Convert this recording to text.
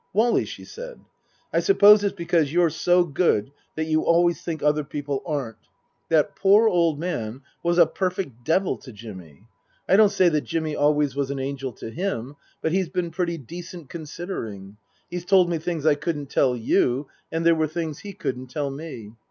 " Wally," she said, " I suppose it's because you're so good that you always think other people aren't. That Book II : Her Book 173 poor old man was a perfect devil to Jimmy. I don't say that Jimmy always was an angel to him, but he's been pretty decent, considering. He's told me things I couldn't tell you ; and there were things he couldn't tell me.